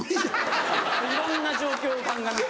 いろんな状況を鑑みて。